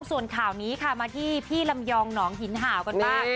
ส่วนข่าวนี้ค่ะมาที่พี่ลำยองหนองหินห่าวกันบ้าง